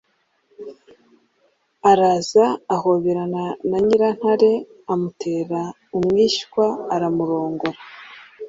araza ahoberana na nyirantare, amutera umwishywa, aramurongora.